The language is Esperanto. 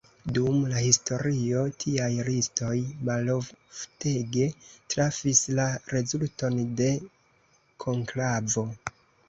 Dum la historio tiaj listoj maloftege trafis la rezulton de konklavo.